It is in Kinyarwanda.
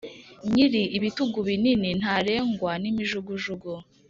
nyiri ibitugu bibni ntarengwa n’imijugujugu